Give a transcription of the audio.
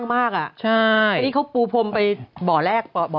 ไม่เห็นกัน